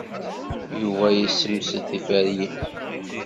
Yuba yessemsed tiferyin.